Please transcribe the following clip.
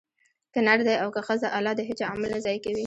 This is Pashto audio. که نر دی او که ښځه؛ الله د هيچا عمل نه ضائع کوي